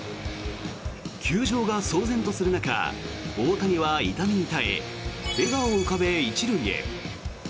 球場が騒然とする中大谷は痛みに耐え笑顔を浮かべ１塁へ。